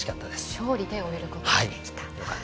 勝利で終えることができた。